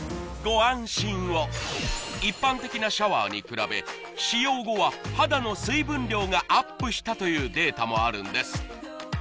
ご安心を一般的なシャワーに比べ使用後は肌の水分量がアップしたというデータもあるんです